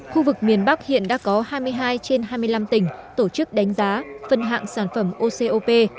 khu vực miền bắc hiện đã có hai mươi hai trên hai mươi năm tỉnh tổ chức đánh giá phân hạng sản phẩm ocop